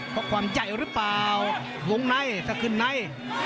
เพราะความใจหรือเปล่าวงในถ้าขึ้นใน